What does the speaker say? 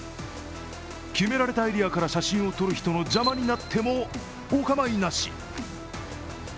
決められたエリアから写真を撮る人の邪魔になってもお構いなし。